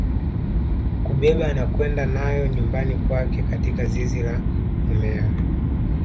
Kubeba na kwenda nayo nyumbani kwake katika zizi la mumewe